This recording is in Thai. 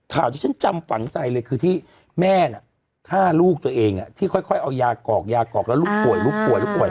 ท่าวที่ฉันจำฝันใจเลยคือที่แม่น่ะถ้าลูกตัวเองที่ค่อยเอายากอกยากอกแล้วลูกป่วย